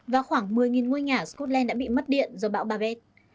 và khoảng một mươi ngôi nhà ở scotland đã bị mất điện do bão babette